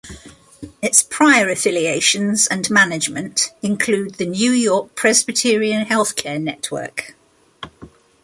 Its prior affiliations and management include the New York Presbyterian Healthcare Network.